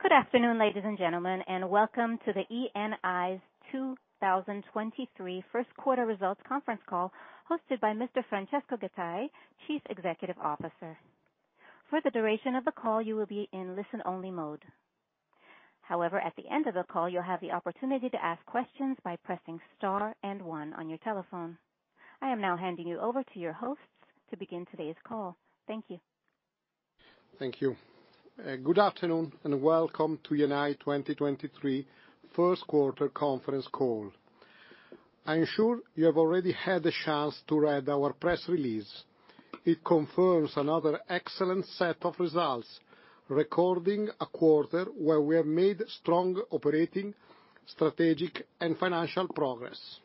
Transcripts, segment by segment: Good afternoon, ladies and gentlemen, and welcome to the Eni's 2023 First Quarter Results Conference Call hosted by Mr. Francesco Gattei, Chief Executive Officer. For the duration of the call, you will be in listen-only mode. However, at the end of the call, you'll have the opportunity to ask questions by pressing star and one on your telephone. I am now handing you over to your hosts to begin today's call. Thank you. Thank you. Good afternoon, welcome to Eni 2023 First Quarter Conference Call. I am sure you have already had the chance to read our press release. It confirms another excellent set of results, recording a quarter where we have made strong operating, strategic, and financial progress.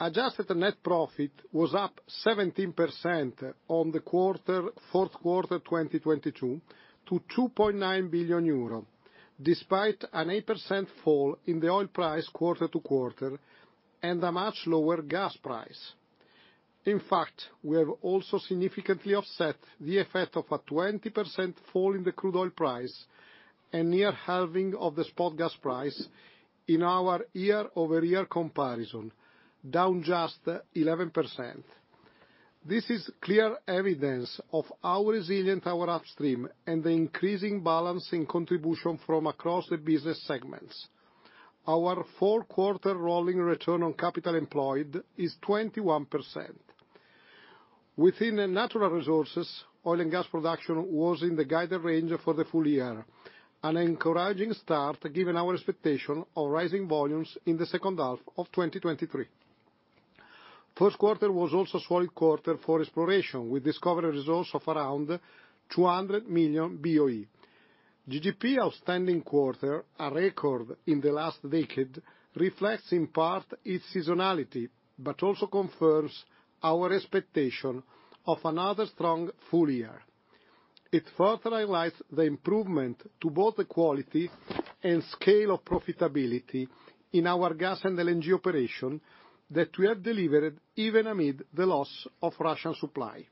Adjusted net profit was up 17% on the quarter, fourth quarter 2022 to 2.9 billion euro, despite an 8% fall in the oil price quarter-over-quarter and a much lower gas price. In fact, we have also significantly offset the effect of a 20% fall in the crude oil price, a near halving of the spot gas price in our year-over-year comparison, down just 11%. This is clear evidence of how resilient our upstream and the increasing balancing contribution from across the business segments. Our four-quarter rolling return on capital employed is 21%. Within the Natural Resources, oil and gas production was in the guided range for the full year, an encouraging start given our expectation of rising volumes in the second half of 2023. First quarter was also solid quarter for exploration. We discovered results of around 200 million BOE. GGP outstanding quarter, a record in the last decade, reflects in part its seasonality, but also confirms our expectation of another strong full year. It further highlights the improvement to both the quality and scale of profitability in our gas and LNG operation that we have delivered even amid the loss of Russian supply.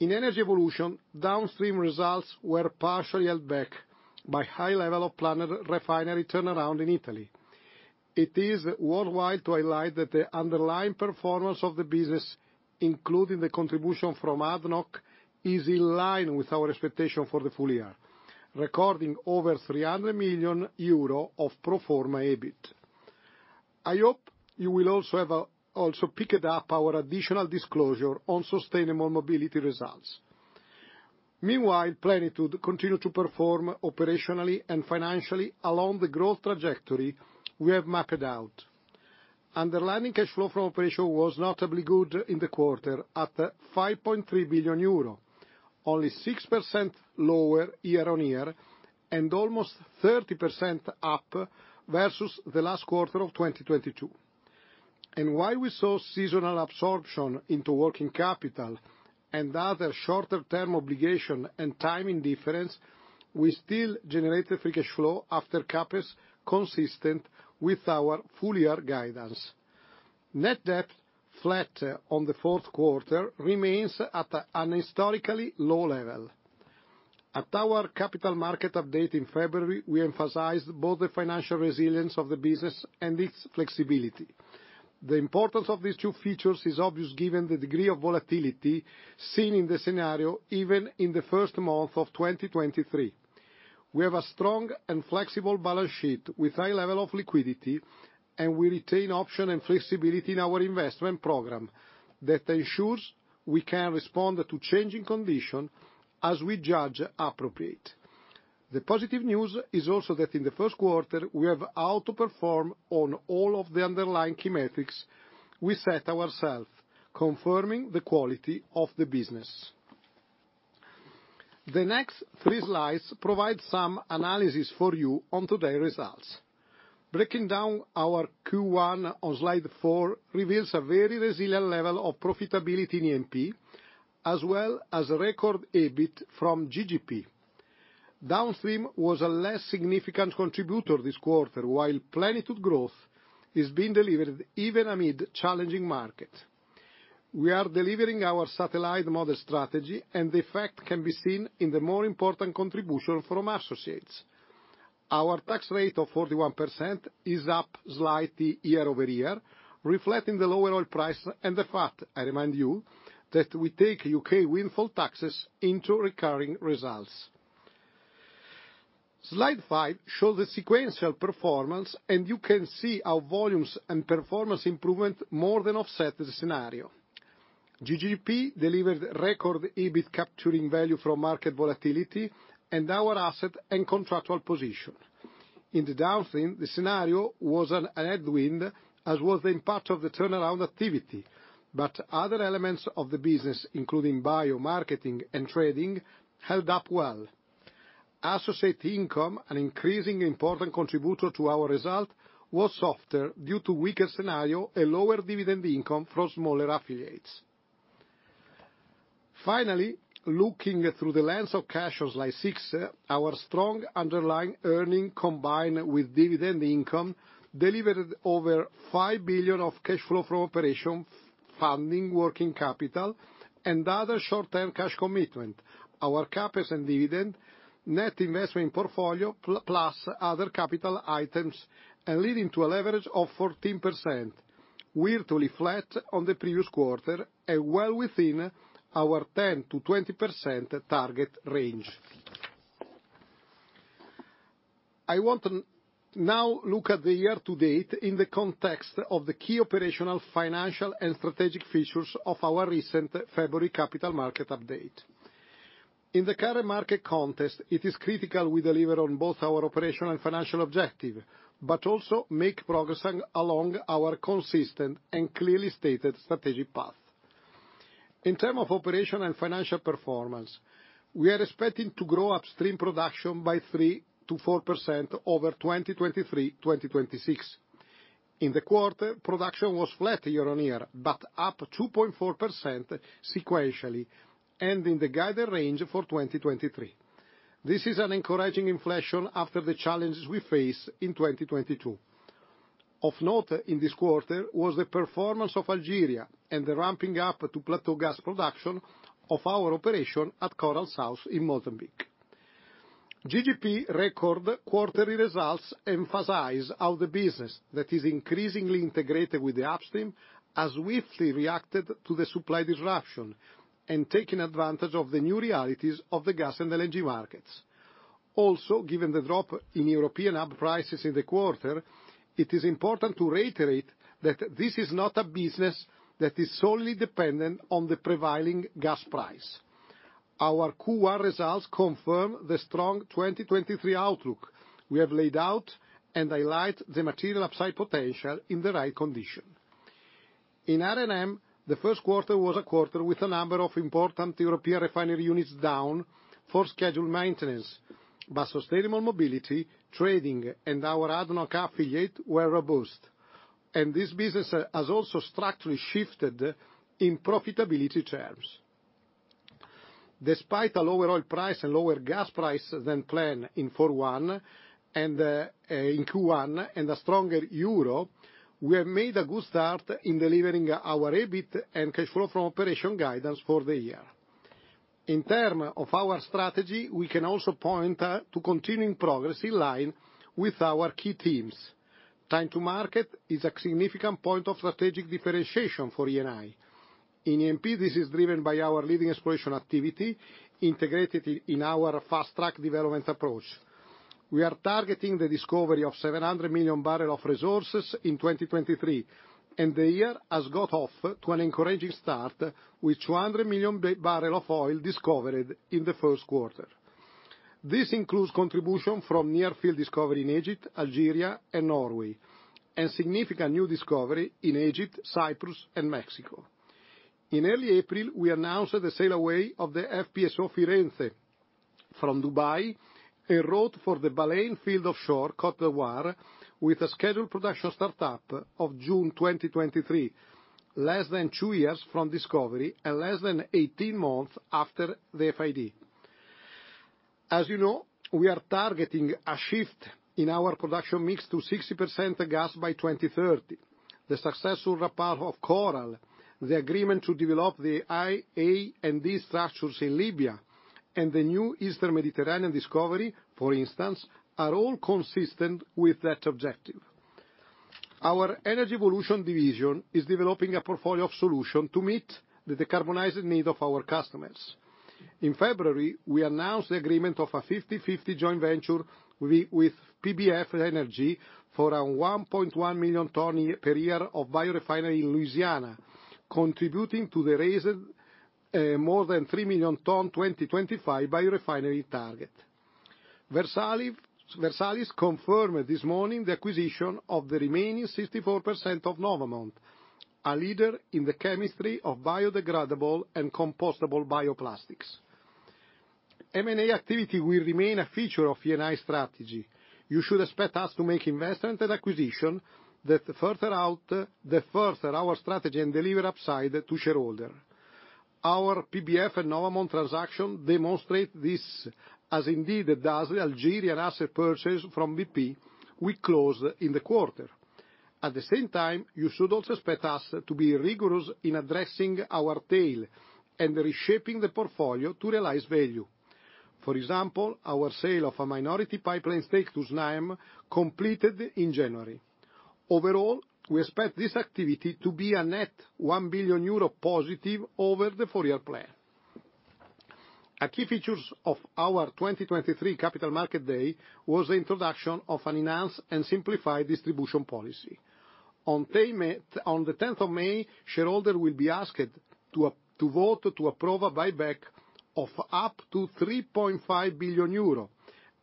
In Energy Evolution, downstream results were partially held back by high level of planner refinery turnaround in Italy. It is worldwide to highlight that the underlying performance of the business, including the contribution from ADNOC, is in line with our expectation for the full year, recording over 300 million euro of pro-forma EBIT. I hope you will also have also picked up our additional disclosure on sustainable mobility results. Meanwhile, Plenitude continue to perform operationally and financially along the growth trajectory we have mapped out. Underlying cash flow from operation was notably good in the quarter at 5.3 billion euro, only 6% lower year-on-year and almost 30% up versus the last quarter of 2022. While we saw seasonal absorption into working capital and other shorter-term obligation and timing difference, we still generated free cash flow after CapEx consistent with our full year guidance. Net debt flat on the fourth quarter remains at an historically low level. At our capital market update in February, we emphasized both the financial resilience of the business and its flexibility. The importance of these two features is obvious given the degree of volatility seen in the scenario, even in the first month of 2023. We have a strong and flexible balance sheet with high level of liquidity. We retain option and flexibility in our investment program that ensures we can respond to changing condition as we judge appropriate. The positive news is also that in the first quarter, we have outperformed on all of the underlying key metrics we set ourselves, confirming the quality of the business. The next three slides provide some analysis for you on today results. Breaking down our Q1 on slide four reveals a very resilient level of profitability in E&P, as well as record EBIT from GGP. Downstream was a less significant contributor this quarter, while Plenitude growth is being delivered even amid challenging market. We are delivering our satellite model strategy, and the effect can be seen in the more important contribution from associates. Our tax rate of 41% is up slightly year-over-year, reflecting the lower oil price and the fact, I remind you, that we take U.K. windfall taxes into recurring results. Slide five shows the sequential performance, and you can see our volumes and performance improvement more than offset the scenario. GGP delivered record EBIT capturing value from market volatility and our asset and contractual position. In the Downstream, the scenario was an headwind, as was the impact of the turnaround activity. Other elements of the business, including bio, marketing, and trading, held up well. Associate income, an increasing important contributor to our result, was softer due to weaker scenario and lower dividend income from smaller affiliates. Finally, looking through the lens of cash on slide six, our strong underlying earning combined with dividend income delivered over 5 billion of cash flow from operation, funding working capital, and other short-term cash commitment. Our CapEx and dividend, net investment portfolio, plus other capital items, and leading to a leverage of 14%, virtually flat on the previous quarter and well within our 10%-20% target range. I want to now look at the year to date in the context of the key operational, financial, and strategic features of our recent February capital market update. In the current market context, it is critical we deliver on both our operational and financial objective, but also make progress along our consistent and clearly stated strategic path. In terms of operation and financial performance, we are expecting to grow upstream production by 3%-4% over 2023-2026. In the quarter, production was flat year-on-year. Up 2.4% sequentially, ending the guided range for 2023. This is an encouraging inflation after the challenges we faced in 2022. Of note in this quarter was the performance of Algeria and the ramping up to plateau gas production of our operation at Coral South in Mozambique. GGP record quarterly results emphasize how the business that is increasingly integrated with the upstream has swiftly reacted to the supply disruption and taking advantage of the new realities of the gas and LNG markets. Given the drop in European hub prices in the quarter, it is important to reiterate that this is not a business that is solely dependent on the prevailing gas price. Our Q1 results confirm the strong 2023 outlook we have laid out and highlight the material upside potential in the right condition. In R&M, the first quarter was a quarter with a number of important European refinery units down for scheduled maintenance. Sustainable mobility, trading, and our ADNOC affiliate were robust, and this business has also structurally shifted in profitability terms. Despite a lower oil price and lower gas price than planned in Q1, and in Q1 and a stronger euro, we have made a good start in delivering our EBIT and cash flow from operation guidance for the year. In term of our strategy, we can also point to continuing progress in line with our key teams. Time to market is a significant point of strategic differentiation for Eni. In E&P, this is driven by our leading exploration activity integrated in our fast-track development approach. We are targeting the discovery of 700 million barrel of resources in 2023. The year has got off to an encouraging start with 200 million barrel of oil discovered in the first quarter. This includes contribution from near field discovery in Egypt, Algeria, and Norway, and significant new discovery in Egypt, Cyprus, and Mexico. In early April, we announced the sail away of the FPSO Firenze from Dubai, en route for the Baleine field offshore Côte d'Ivoire, with a scheduled production start-up of June 2023, less than two years from discovery and less than 18 months after the FID. As you know, we are targeting a shift in our production mix to 60% gas by 2030. The successful ramp up of Coral, the agreement to develop the A&E structures in Libya, and the new Eastern Mediterranean discovery, for instance, are all consistent with that objective. Our Energy Evolution division is developing a portfolio of solution to meet the decarbonizing need of our customers. In February, we announced the agreement of a 50/50 joint venture with PBF Energy for 1.1 million tons per year of biorefinery in Louisiana, contributing to the raised more than 3 million tons 2025 biorefinery target. Versalis confirmed this morning the acquisition of the remaining 64% of Novamont, a leader in the chemistry of biodegradable and compostable bioplastics. M&A activity will remain a feature of Eni's strategy. You should expect us to make investment and acquisition that further our strategy and deliver upside to shareholder. Our PBF and Novamont transaction demonstrate this, as indeed does the Algerian asset purchase from BP we closed in the quarter. You should also expect us to be rigorous in addressing our tail and reshaping the portfolio to realize value. For example, our sale of a minority pipeline stake to Snam completed in January. Overall, we expect this activity to be a net 1 billion euro positive over the four-year plan. A key features of our 2023 capital market day was the introduction of an enhanced and simplified distribution policy. On the 10th of May, shareholder will be asked to vote to approve a buyback of up to 3.5 billion euro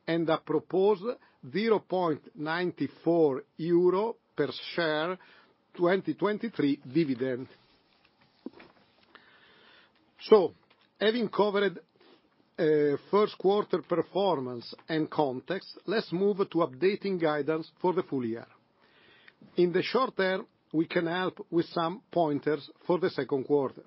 and a proposed 0.94 euro per share 2023 dividend. Having covered first quarter performance and context, let's move to updating guidance for the full year. In the short term, we can help with some pointers for the second quarter.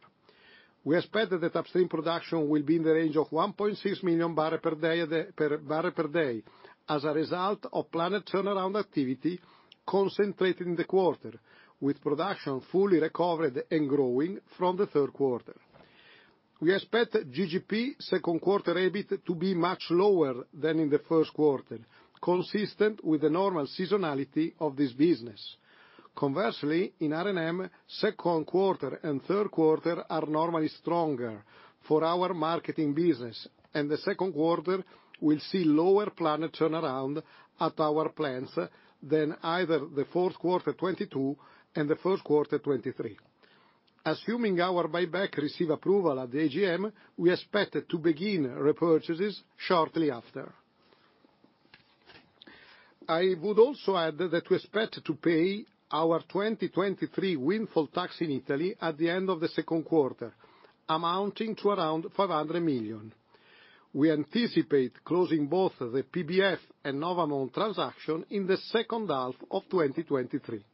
We expect that the upstream production will be in the range of 1.6 MMbpd as a result of plant turnaround activity concentrated in the quarter, with production fully recovered and growing from the third quarter. We expect GGP second quarter EBIT to be much lower than in the first quarter, consistent with the normal seasonality of this business. Conversely, in R&M, second quarter and third quarter are normally stronger for our marketing business, and the second quarter will see lower plant turnaround at our plants than either the fourth quarter 2022 and the first quarter 2023. Assuming our buyback receive approval at the AGM, we expect to begin repurchases shortly after. I would also add that we expect to pay our 2023 windfall tax in Italy at the end of the second quarter, amounting to around 500 million. We anticipate closing both the PBF and Novamont transaction in the second half of 2023.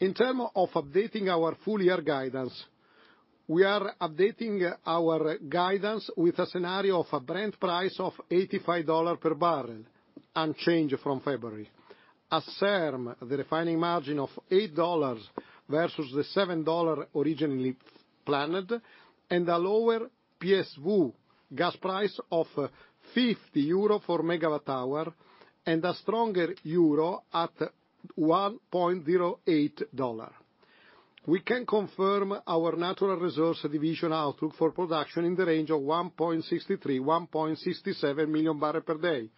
In term of updating our full year guidance, we are updating our guidance with a scenario of a Brent price of $85 per barrel, unchanged from February. As SERM, the refining margin of $8 versus the $7 originally planned, and a lower PSV gas price of 50 euro MWh and a stronger euro at $1.08. We can confirm our Natural Resources division outlook for production in the range of 1.63-1.67 million barrel per day,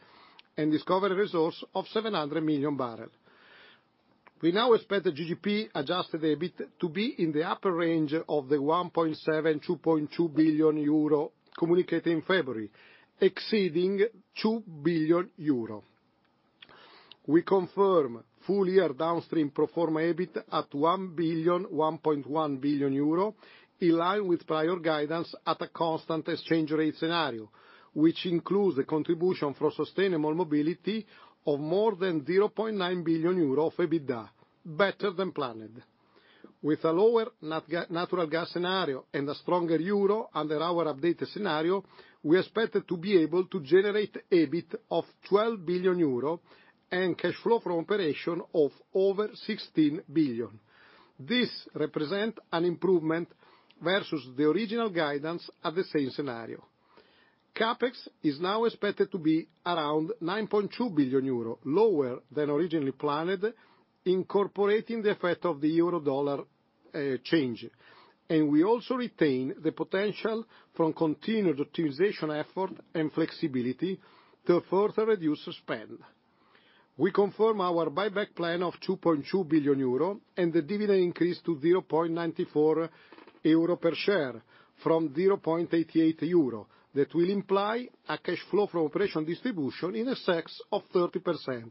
and discover resource of 700 million barrel. We now expect the GGP adjusted EBIT to be in the upper range of the 1.7 billion-2.2 billion euro communicated in February, exceeding 2 billion euro. We confirm full-year downstream pro forma EBIT at 1 billion-1.1 billion euro, in line with prior guidance at a constant exchange rate scenario, which includes the contribution for sustainable mobility of more than 0.9 billion euro of EBITDA, better than planned. With a lower natural gas scenario and a stronger euro under our updated scenario, we expect to be able to generate EBIT of 12 billion euro and cash flow from operation of over 16 billion. This represent an improvement versus the original guidance at the same scenario. CapEx is now expected to be around 9.2 billion euro, lower than originally planned, incorporating the effect of the euro dollar change. We also retain the potential from continued optimization effort and flexibility to further reduce spend. We confirm our buyback plan of 2.2 billion euro and the dividend increase to 0.94 euro per share from 0.88 euro. That will imply a cash flow from operation distribution in excess of 30%,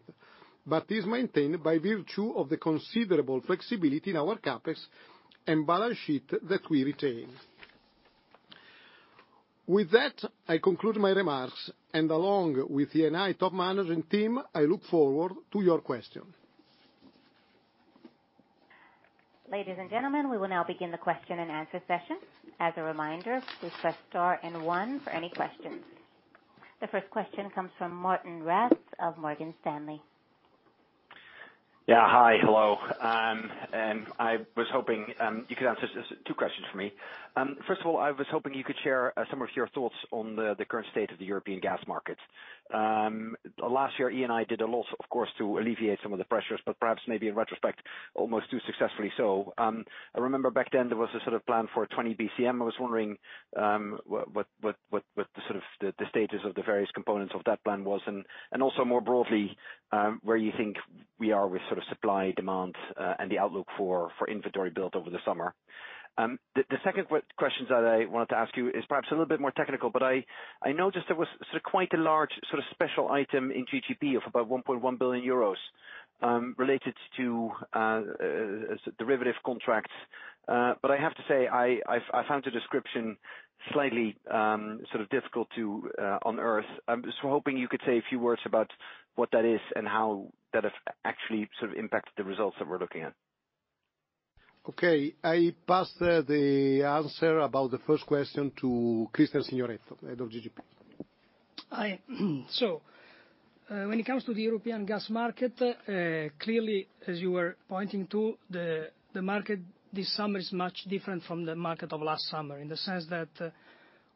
but is maintained by virtue of the considerable flexibility in our CapEx and balance sheet that we retain. With that, I conclude my remarks, and along with Eni top management team, I look forward to your question. Ladies and gentlemen, we will now begin the question and answer session. As a reminder, please press star one for any questions. The first question comes from Martijn Rats of Morgan Stanley. Yeah. Hi. Hello. I was hoping you could answer two questions for me. First of all, I was hoping you could share some of your thoughts on the current state of the European gas market. Last year, Eni did a lot, of course, to alleviate some of the pressures, but perhaps maybe in retrospect, almost too successfully so. I remember back then there was a sort of plan for 20 BCM. I was wondering what the sort of the status of the various components of that plan was and also more broadly where you think we are with sort of supply, demand, and the outlook for inventory build over the summer. The second questions that I wanted to ask you is perhaps a little bit more technical, but I noticed there was quite a large special item in GGP of about 1.1 billion euros related to derivative contracts. I have to say I found the description slightly difficult to unearth. I'm just hoping you could say a few words about what that is and how that has actually sort of impacted the results that we're looking at. Okay. I pass the answer about the first question to Cristian Signoretto, Head of GGP. When it comes to the European gas market, clearly, as you were pointing to the market this summer is much different from the market of last summer. In the sense that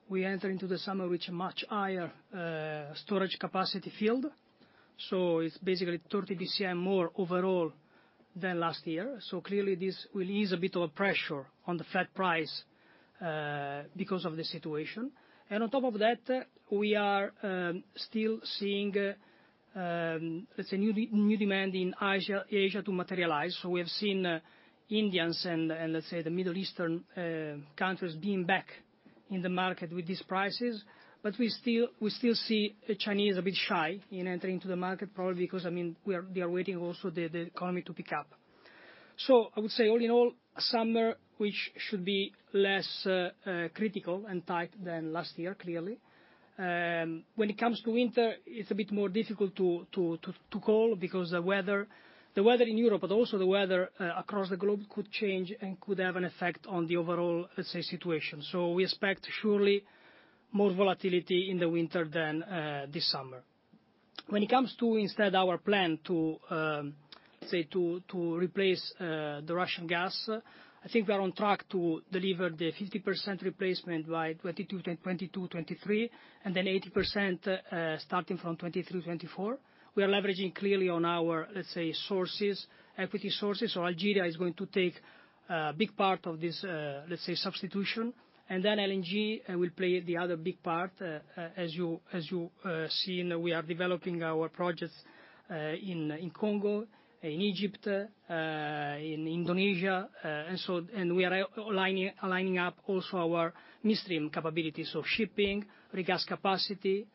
we enter into the summer with much higher storage capacity field. It's basically 30 BCM more overall than last year. Clearly this will ease a bit of a pressure on the flat price because of the situation. On top of that, we are still seeing let's say new demand in Asia to materialize. We have seen Indians and let's say the Middle Eastern countries being back in the market with these prices. We still see the Chinese a bit shy in entering to the market, probably because we are waiting also the economy to pick up. I would say all in all, summer, which should be less critical and tight than last year, clearly. When it comes to winter, it's a bit more difficult to call because the weather in Europe, but also the weather across the globe could change and could have an effect on the overall, let's say, situation. We expect surely more volatility in the winter than this summer. When it comes to instead our plan to say to replace the Russian gas, I think we are on track to deliver the 50% replacement by 2022, 2023 and then 80% starting from 2023, 2024. We are leveraging clearly on our, let's say, sources, equity sources. Algeria is going to take a big part of this, let's say, substitution. LNG will play the other big part, as you see, you know we are developing our projects in Congo, in Egypt, in Indonesia, and we are aligning up also our midstream capabilities of shipping, regas capacity.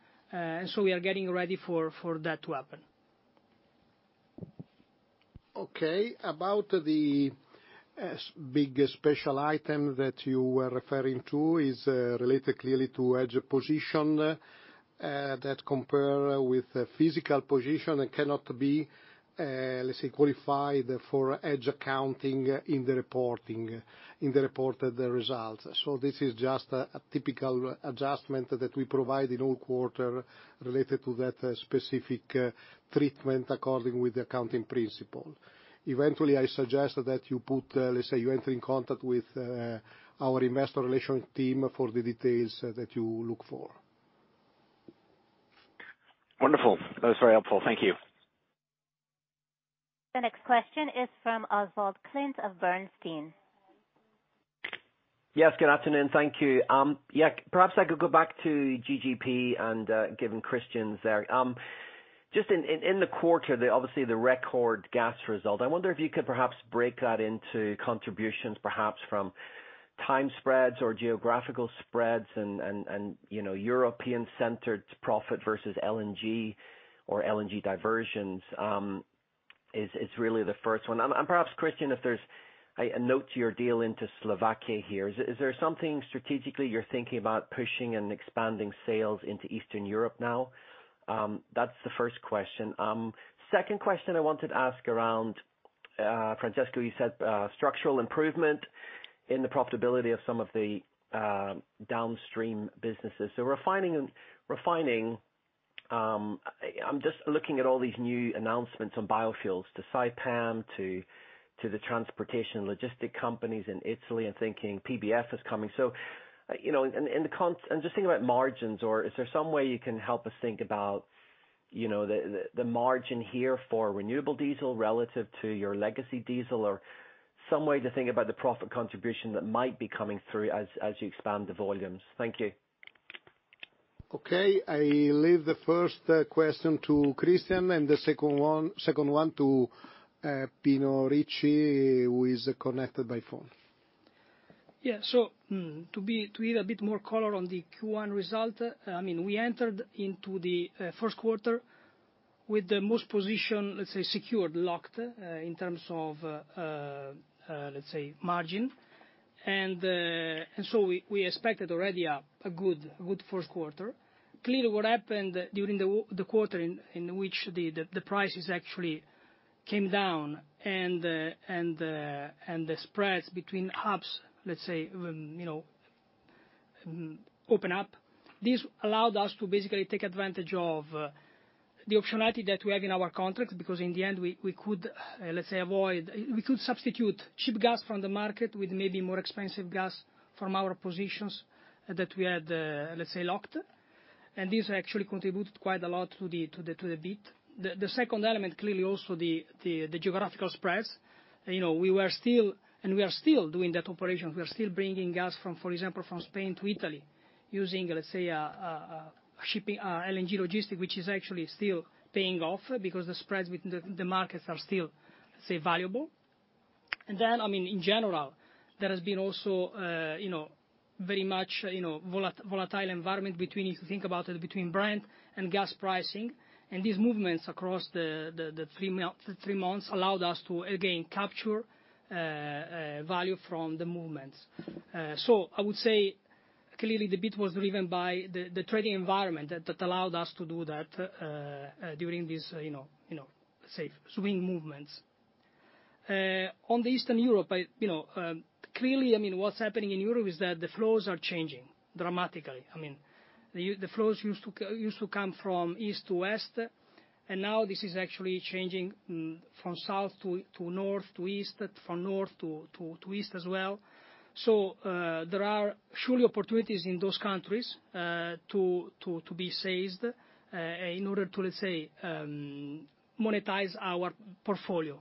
We are getting ready for that to happen. Okay. About the big special item that you were referring to is related clearly to hedge position that compare with the physical position and cannot be, let's say, qualified for hedge accounting in the reporting, in the reported results. This is just a typical adjustment that we provide in all quarter related to that specific treatment according with the accounting principle. Eventually, I suggest that you put, let's say, you enter in contact with our investor relations team for the details that you look for. Wonderful. That was very helpful. Thank you. The next question is from Oswald Clint of Bernstein. Yes, good afternoon. Thank you. Yeah, perhaps I could go back to GGP and, given Christian's there. Just in the quarter, the obviously the record gas result. I wonder if you could perhaps break that into contributions, perhaps from time spreads or geographical spreads and, you know, European-centered profit versus LNG or LNG diversions, is really the first one. Perhaps, Christian, if there's a note to your deal into Slovakia here. Is there something strategically you're thinking about pushing and expanding sales into Eastern Europe now? That's the first question. Second question I wanted to ask around, Francesco, you said, structural improvement in the profitability of some of the downstream businesses. Refining, refining, I'm just looking at all these new announcements on biofuels to Saipem, to the transportation logistic companies in Italy and thinking PBF is coming. You know, just thinking about margins or is there some way you can help us think about, you know, the, the margin here for renewable diesel relative to your legacy diesel or some way to think about the profit contribution that might be coming through as you expand the volumes? Thank you. Okay. I leave the first question to Christian and the second one to Pino Ricci, who is connected by phone. To give a bit more color on the Q1 result, I mean, we entered into the first quarter with the most position, let's say, secured, locked, in terms of, let's say, margin. We expected already a good first quarter. Clearly what happened during the quarter in which the prices actually came down and the spreads between hubs, let's say, you know, open up, this allowed us to basically take advantage of the optionality that we have in our contract because in the end, we could, let's say avoid, we could substitute cheap gas from the market with maybe more expensive gas from our positions that we had, let's say locked. This actually contributed quite a lot to the bid. The second element clearly also the geographical spreads. You know, we were still, and we are still doing that operation. We are still bringing gas from, for example, from Spain to Italy using, let's say, shipping LNG logistic, which is actually still paying off because the spreads between the markets are still, say, valuable. I mean, in general, there has been also, you know, very much volatile environment between, if you think about it, between Brent and gas pricing. These movements across the three months allowed us to again capture value from the movements. I would say clearly the bid was driven by the trading environment that allowed us to do that during these swing movements. On the Eastern Europe, I clearly what's happening in Europe is that the flows are changing dramatically. The flows used to come from east to west, and now this is actually changing from south to north to east, from north to east as well. There are surely opportunities in those countries to be seized in order to monetize our portfolio.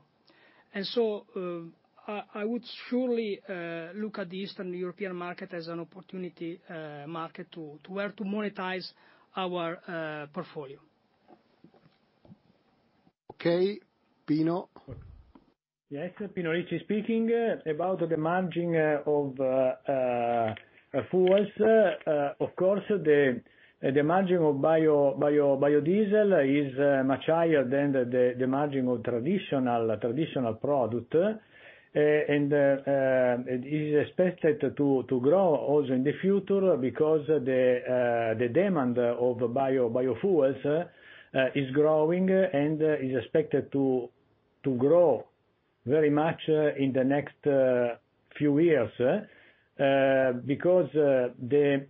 I would surely look at the Eastern European market as an opportunity market to where to monetize our portfolio. Okay, Pino. Yes, Pino Ricci speaking. About the margin of fuels. Of course, the margin of biodiesel is much higher than the margin of traditional product. It is expected to grow also in the future because the demand of biofuels is growing and is expected to grow very much in the next few years. Because the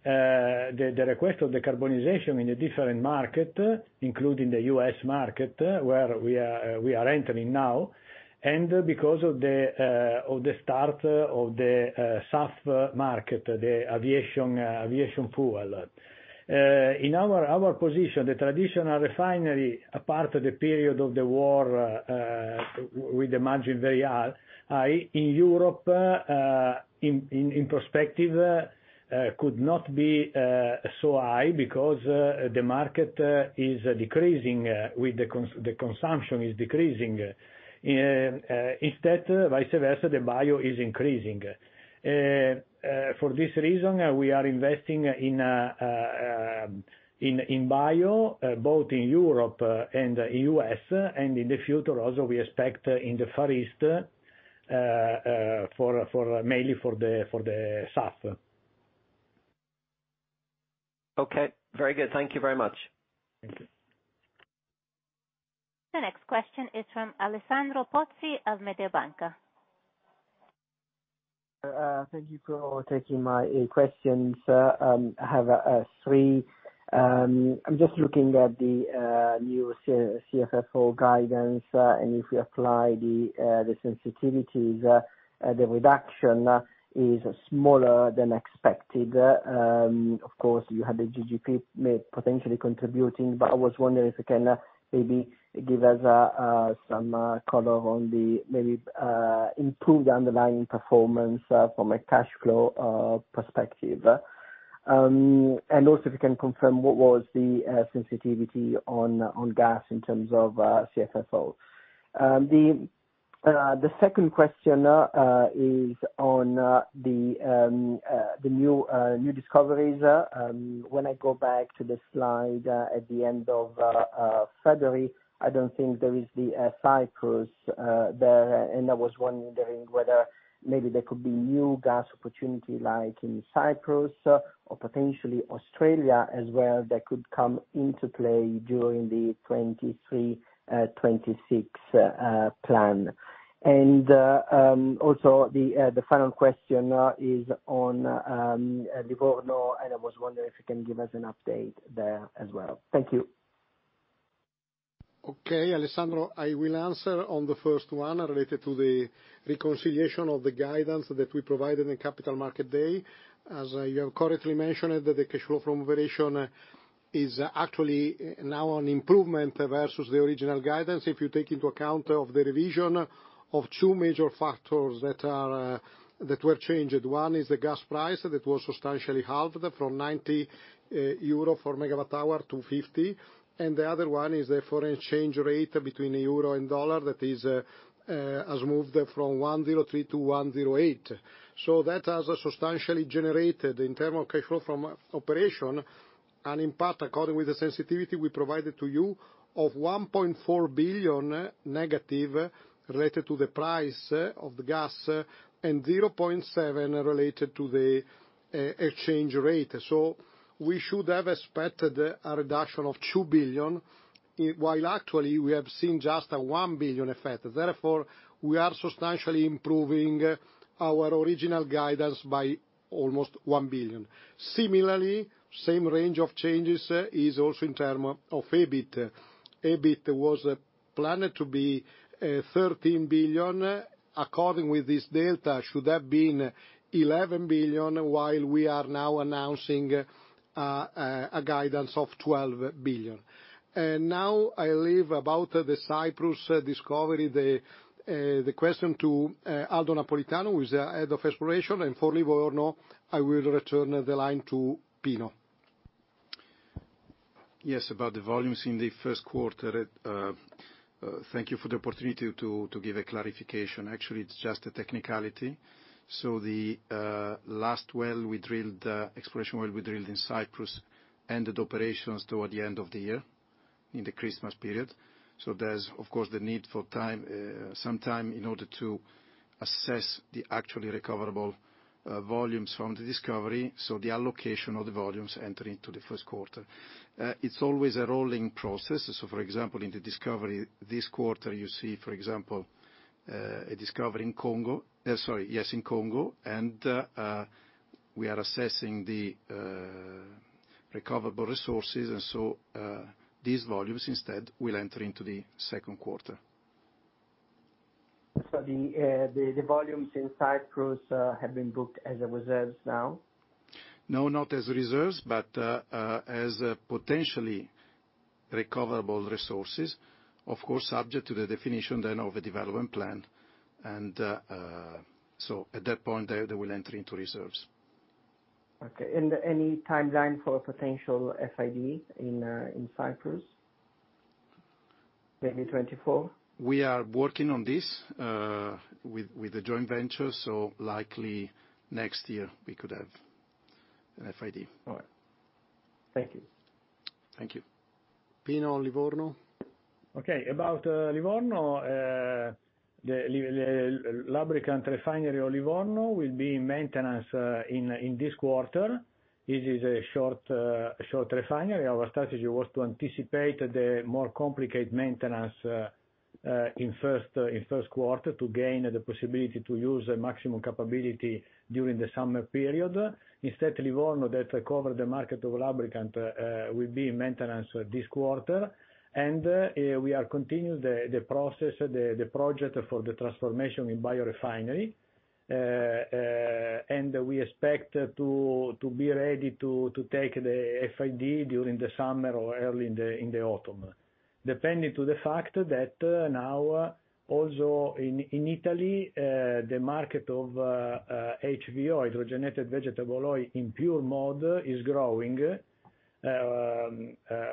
request of decarbonization in a different market, including the U.S. market, where we are entering now, and because of the start of the SAF market, the aviation fuel. In our position, the traditional refinery, apart from the period of the war, with the margin very high, in Europe, in perspective, could not be so high because the market is decreasing, with the consumption is decreasing. Instead, vice versa, the bio is increasing. For this reason, we are investing in bio, both in Europe and U.S., and in the future also we expect in the Far East, mainly for the SAF. Okay, very good. Thank you very much. Thank you. The next question is from Alessandro Pozzi of Mediobanca. Thank you for taking my questions. I have three. I'm just looking at the new CFFO guidance, and if we apply the sensitivities, the reduction is smaller than expected. Of course, you had the GGP may potentially contributing, but I was wondering if you can maybe give us some color on the improved underlying performance from a cash flow perspective. Also if you can confirm what was the sensitivity on gas in terms of CFFO. The second question is on the new discoveries. When I go back to the slide, at the end of February, I don't think there is the Cyprus there. I was wondering whether maybe there could be new gas opportunity, like in Cyprus or potentially Australia as well, that could come into play during the 2023-2026 plan. Also the final question is on Livorno, and I was wondering if you can give us an update there as well. Thank you. Alessandro, I will answer on the first one related to the reconciliation of the guidance that we provided in Capital Market Day. As you have correctly mentioned, that the cash flow from variation is actually now an improvement versus the original guidance. If you take into account of the revision of two major factors that are that were changed. One is the gas price that was substantially halved from 90 euro per MWh to 50 MWh. The other one is the foreign change rate between EUR and USD, that is has moved from 1.03 to 1.08. That has substantially generated in term of cash flow from operation, and in part according with the sensitivity we provided to you, of 1.4 billion negative related to the price of the gas and 0.7 related to the exchange rate. We should have expected a reduction of 2 billion, while actually we have seen just a 1 billion effect. We are substantially improving our original guidance by almost 1 billion. Same range of changes is also in term of EBIT. EBIT was planned to be 13 billion. According with this data, should have been 11 billion, while we are announcing a guidance of 12 billion. I leave about the Cyprus discovery, the question to Aldo Napolitano, who is the head of exploration, and for Livorno, I will return the line to Pino. Yes, about the volumes in the first quarter. Thank you for the opportunity to give a clarification. Actually, it's just a technicality. The last exploration well we drilled in Cyprus ended operations toward the end of the year, in the Christmas period. There's of course, the need for time, some time in order to assess the actually recoverable volumes from the discovery. The allocation of the volumes enter into the first quarter. It's always a rolling process. For example, in the discovery this quarter, you see, for example, a discovery in Congo. Sorry, yes, in Congo. We are assessing the recoverable resources. These volumes instead will enter into the second quarter. The volumes in Cyprus, have been booked as a reserves now? Not as reserves, but, as potentially recoverable resources, of course, subject to the definition then of a development plan. At that point they will enter into reserves. Okay. Any timeline for potential FID in Cyprus? Maybe 2024? We are working on this, with the joint venture, so likely next year we could have an FID. All right. Thank you. Thank you. Pino, Livorno. Okay. About Livorno, the lubricant refinery Livorno will be maintenance in this quarter. This is a short refinery. Our strategy was to anticipate the more complicated maintenance in first quarter to gain the possibility to use the maximum capability during the summer period. Instead, Livorno that cover the market of lubricant will be in maintenance this quarter. We are continuing the process, the project for the transformation in biorefinery. We expect to be ready to take the FID during the summer or early in the autumn. Depending to the fact that now also in Italy, the market of HVO, hydrogenated vegetable oil in pure mode is growing,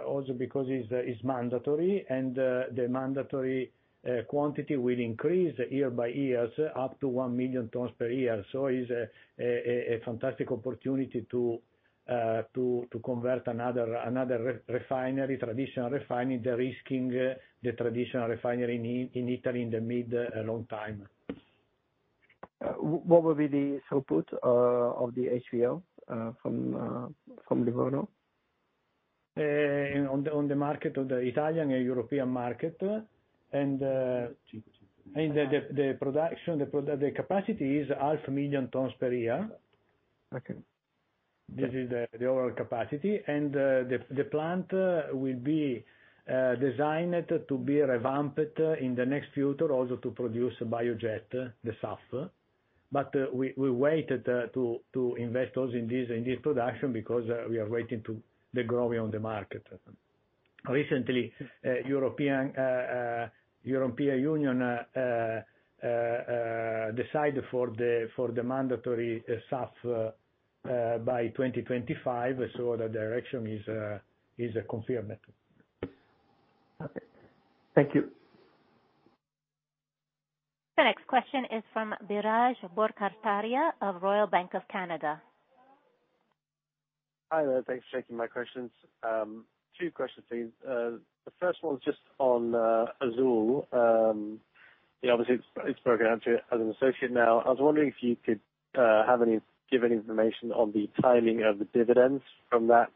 also because it's mandatory and the mandatory quantity will increase year by years up to 1 million tons per year. is a fantastic opportunity to convert another re-refinery, traditional refinery, derisking the traditional refinery in Italy in the mid and long time. What will be the throughput of the HVO from Livorno? On the market, of the Italian and European market. The production capacity is 500,000 tons per year. Okay. This is the overall capacity. The plant, will be, designed to be revamped in the next future also to produce biojet, the SAF. We waited, to invest also in this, in this production because, we are waiting to the growing on the market. Recently, European Union, decided for the mandatory SAF by 2025. The direction is confirmed. Okay. Thank you. The next question is from Biraj Borkhataria of Royal Bank of Canada. Hi there. Thanks for taking my questions. Two questions please. The first one is just on Azule. Obviously it's broken out to as an associate now. I was wondering if you could have any given information on the timing of the dividends from that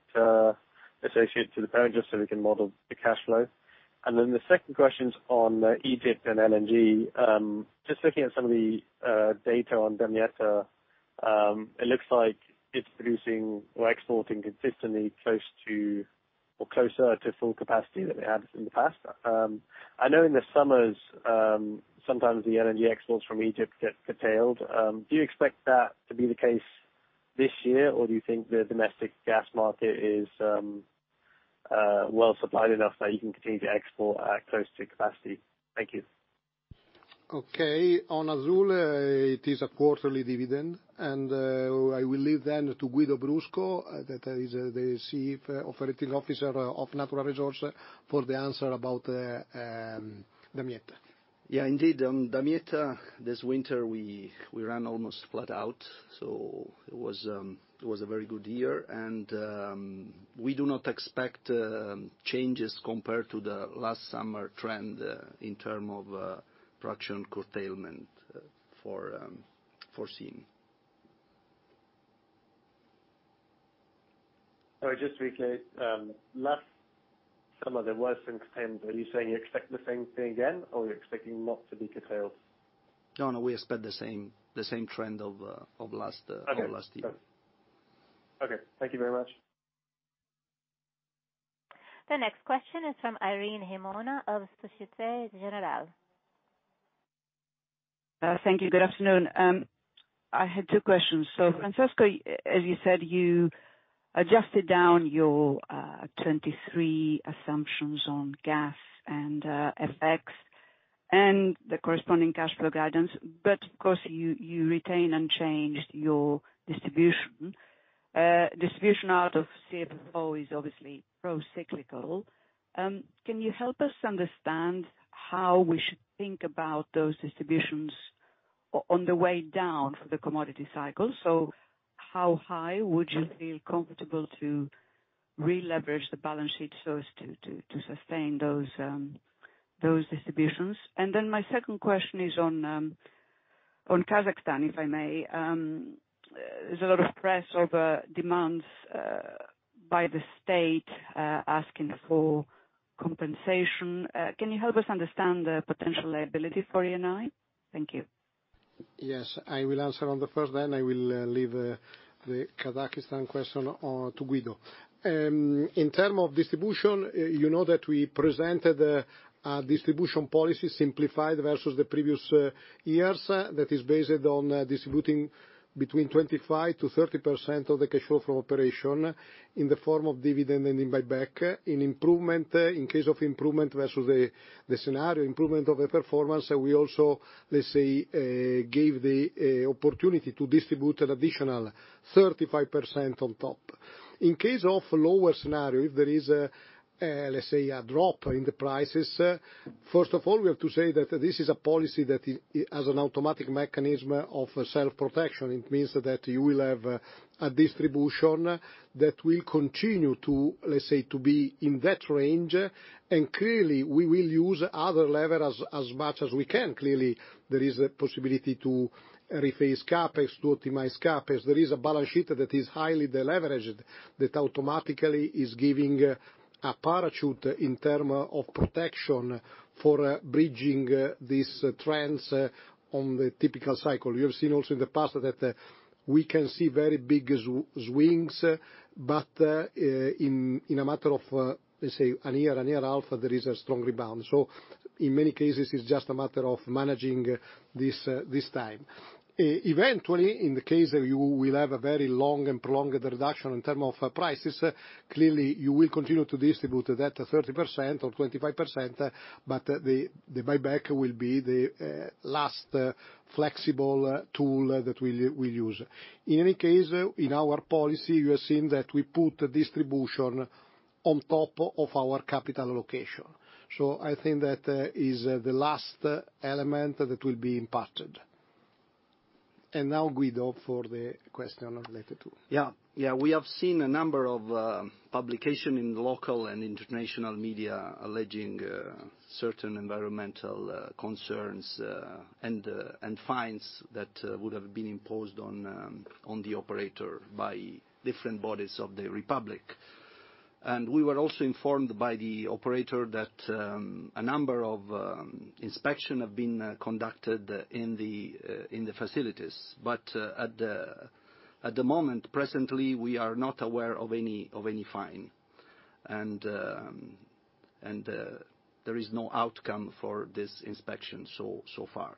associate to the parent, just so we can model the cash flow. The second question is on Egypt and LNG. Just looking at some of the data on Damietta, it looks like it's producing or exporting consistently close to or closer to full capacity than it has in the past. I know in the summers, sometimes the LNG exports from Egypt get curtailed. Do you expect that to be the case this year or do you think the domestic gas market is well supplied enough that you can continue to export at close to capacity? Thank you. Okay. On Azule, it is a quarterly dividend. I will leave then to Guido Brusco, that is the Chief Operating Officer of Natural Resources for the answer about Damietta. Yeah, indeed. Damietta this winter, we ran almost flat out, so it was a very good year. We do not expect changes compared to the last summer trend, in terms of production curtailment for foreseen. All right. Just briefly, last summer there was some curtailment. Are you saying you expect the same thing again, or you're expecting not to be curtailed? No, no, we expect the same trend of last year. Okay. Thank you. Okay. Thank you very much. The next question is from Irene Himona of Societe Generale. Thank you. Good afternoon. I had two questions. Francisco, as you said, you adjusted down your 2023 assumptions on gas and FX and the corresponding cash flow guidance. Of course, you retain unchanged your distribution. Distribution out of CFO is obviously pro-cyclical. Can you help us understand how we should think about those distributions on the way down for the commodity cycle? How high would you feel comfortable to re-leverage the balance sheet so as to sustain those distributions? My second question is on Kazakhstan, if I may. There's a lot of press over demands by the state asking for compensation. Can you help us understand the potential liability for Eni? Thank you. I will answer on the first, then I will leave the Kazakhstan question to Guido. In term of distribution, you know that we presented the distribution policy simplified versus the previous years, that is based on distributing between 25%-30% of the cash flow from operation in the form of dividend and in buyback. In improvement, in case of improvement versus the scenario improvement of the performance, we also, let's say, gave the opportunity to distribute an additional 35% on top. In case of lower scenario, if there is a, let's say, a drop in the prices, first of all, we have to say that this is a policy that as an automatic mechanism of self-protection. It means that you will have a distribution that will continue to, let's say, to be in that range. Clearly we will use other levers as much as we can. Clearly, there is a possibility to rephrase CapEx, to optimize CapEx. There is a balance sheet that is highly deleveraged, that automatically is giving a parachute in term of protection for bridging these trends on the typical cycle. You have seen also in the past that we can see very big swings, but in a matter of, let's say, an year, an year out, there is a strong rebound. In many cases, it's just a matter of managing this time. Eventually, in the case that you will have a very long and prolonged reduction in term of prices, clearly you will continue to distribute that 30% or 25%, but the buyback will be the last flexible tool that we'll use. In any case, in our policy, you have seen that we put distribution on top of our capital allocation. I think that is the last element that will be impacted. Now Guido for the question related to. Yeah. We have seen a number of publication in local and international media alleging certain environmental concerns and fines that would have been imposed on the operator by different bodies of the republic. We were also informed by the operator that a number of inspection have been conducted in the facilities. At the moment, presently, we are not aware of any fine. There is no outcome for this inspection so far.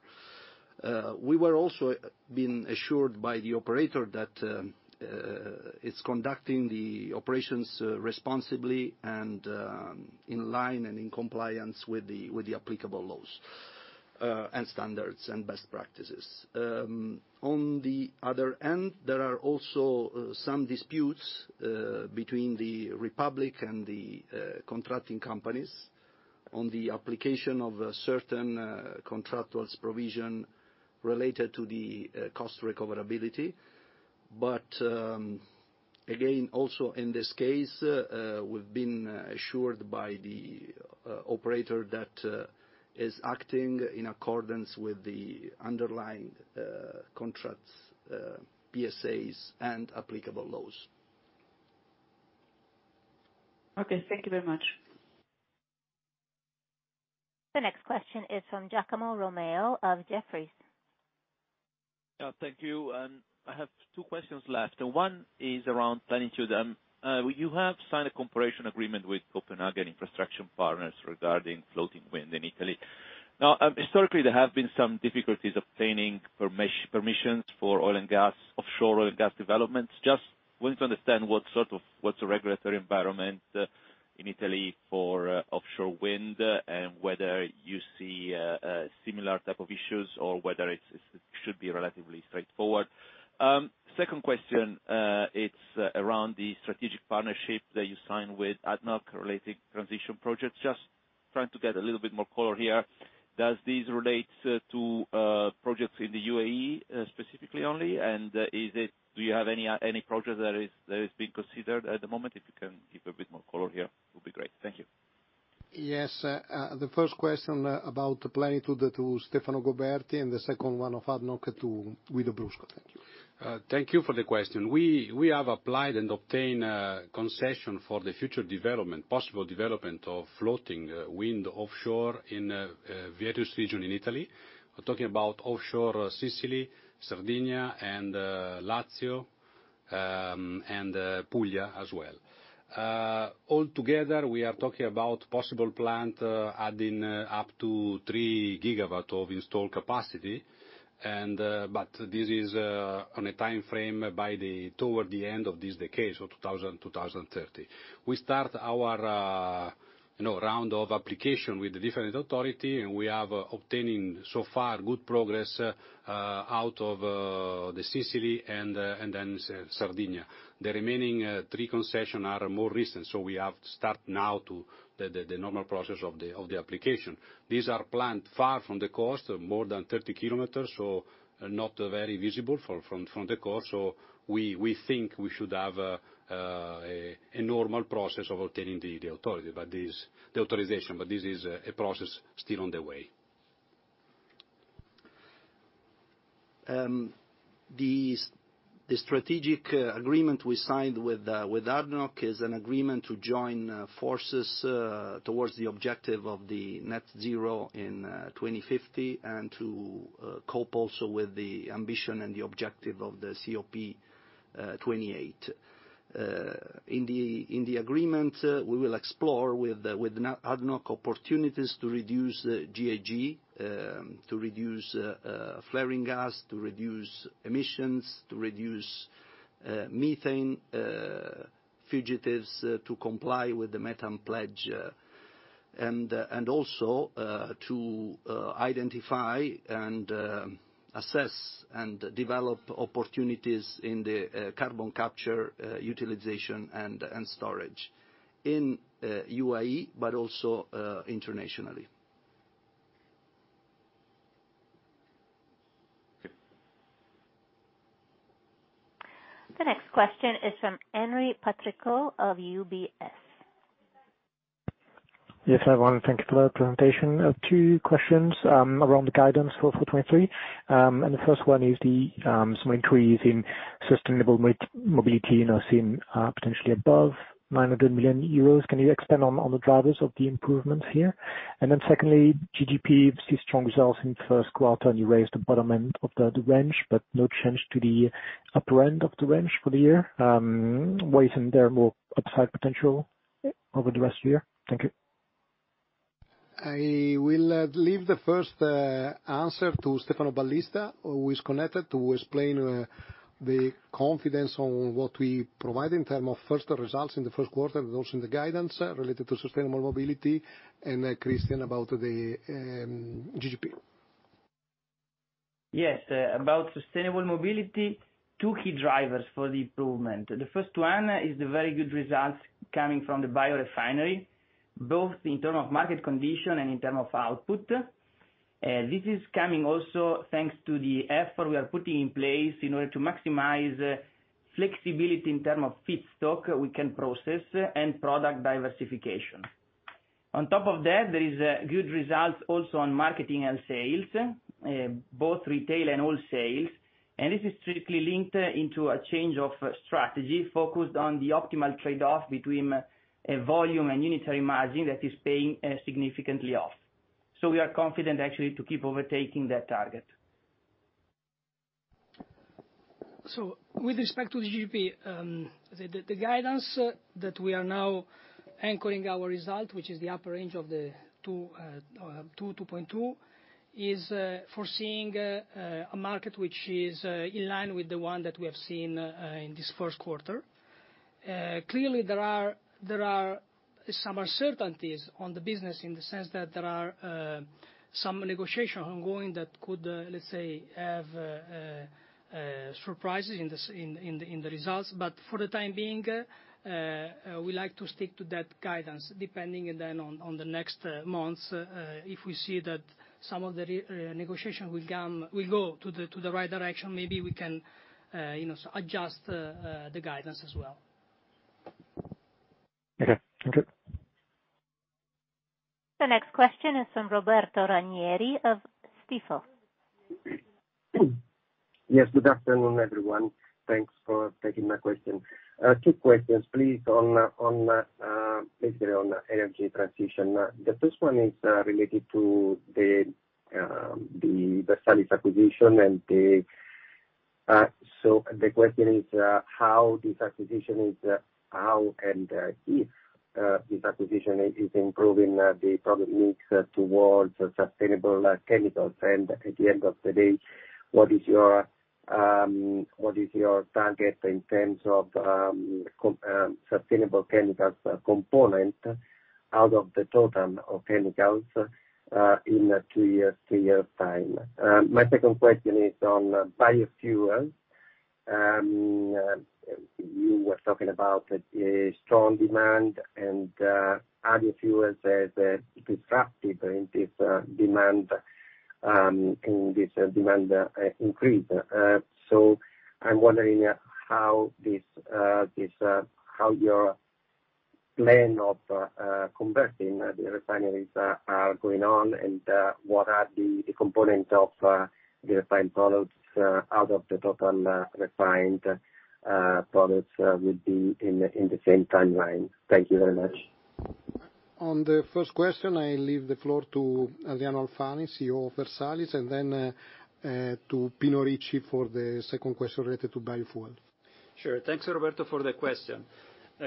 We were also been assured by the operator that it's conducting the operations responsibly and in line and in compliance with the applicable laws and standards and best practices. On the other end, there are also some disputes between the republic and the contracting companies on the application of a certain contractual provision related to the cost recoverability. Again, also in this case, we've been assured by the operator that is acting in accordance with the underlying contracts, PSAs and applicable laws. Okay. Thank you very much. The next question is from Giacomo Romeo of Jefferies. Thank you. I have two questions left. One is around Plenitude. You have signed a cooperation agreement with Copenhagen Infrastructure Partners regarding floating wind in Italy. Historically, there have been some difficulties obtaining permissions for oil and gas, offshore oil and gas developments. Just want to understand what sort of what's the regulatory environment in Italy for offshore wind, and whether you see similar type of issues or whether it should be relatively straightforward. Second question, it's around the strategic partnership that you signed with ADNOC related transition projects. Just trying to get a little bit more color here. Does this relate to projects in the UAE specifically only? Do you have any project that is being considered at the moment? If you can give a bit more color here, it'd be great. Thank you. Yes. The first question about Plenitude to Stefano Goberti and the second one of ADNOC to Guido Brusco. Thank you. Thank you for the question. We have applied and obtained concession for the future development, possible development of floating wind offshore in various region in Italy. We're talking about offshore Sicily, Sardinia and Lazio, and Puglia as well. All together, we are talking about possible plant adding up to 3 GW of installed capacity. This is on a timeframe by the toward the end of this decade, so 2000, 2030. We start our, you know, round of application with the different authority. We have obtaining so far good progress out of the Sicily and then Sardinia. The remaining three concession are more recent, so we have to start now to the normal process of the application. These are planned far from the coast, more than 30 km, so not very visible from the coast. We think we should have a normal process of obtaining the authority. The authorization. This is a process still on the way. The strategic agreement we signed with ADNOC is an agreement to join forces towards the objective of the net zero in 2050, and to cope also with the ambition and the objective of the COP28. In the agreement, we will explore with ADNOC opportunities to reduce the GHG, to reduce flaring gas, to reduce emissions, to reduce methane fugitives to comply with the methane pledge. Also, to identify and assess and develop opportunities in the carbon capture, utilization and storage in UAE, but also, internationally. The next question is from Henri Patricot of UBS. Yes, everyone. Thank you for the presentation. I have two questions around the guidance for 2023. The first one is the some increase in sustainable mobility now seen potentially above 900 million euros. Can you expand on the drivers of the improvements here? Secondly, GGP see strong results in first quarter, and you raised the bottom end of the range, but no change to the upper end of the range for the year. Why isn't there more upside potential over the rest of the year? Thank you. I will leave the first answer to Stefano Ballista, who is connected, to explain the confidence on what we provide in term of first results in the first quarter, those in the guidance related to sustainable mobility, and Christian about the GGP. Yes, about Sustainable Mobility, two key drivers for the improvement. The first one is the very good results coming from the biorefinery, both in term of market condition and in term of output. This is coming also thanks to the effort we are putting in place in order to maximize flexibility in term of feedstock we can process and product diversification. On top of that, there is good results also on marketing and sales, both retail and all sales. This is strictly linked into a change of strategy focused on the optimal trade-off between a volume and unitary margin that is paying significantly off. We are confident actually to keep overtaking that target. With respect to the GGP, the guidance that we are now anchoring our result, which is the upper range of the EURO 2.2 billion, is foreseeing a market which is in line with the one that we have seen in this first quarter. Clearly there are some uncertainties on the business in the sense that there are some negotiation ongoing that could, let's say, have surprises in the results. For the time being, we like to stick to that guidance, depending on the next months. If we see that some of the negotiation will come, will go to the, to the right direction, maybe we can, you know, adjust the guidance as well. Okay. Thank you. The next question is from Roberto Ranieri of Stifel. Good afternoon, everyone. Thanks for taking my question. Two questions please on basically on energy transition. The first one is related to the Versalis acquisition. The question is how this acquisition is how and if this acquisition is improving the product mix towards sustainable chemicals. At the end of the day, what is your what is your target in terms of sustainable chemicals component out of the total of chemicals in a two years' time? My second question is on biofuels. You were talking about a strong demand and other fuels as disruptive in this demand increase. I'm wondering how this how your plan of converting the refineries are going on, and what are the components of the refined products out of the total refined products would be in the same timeline? Thank you very much. On the first question, I leave the floor to Adriano Alfani, CEO of Versalis, and then to Pino Ricci for the second question related to biofuel. Sure. Thanks, Roberto, for the question.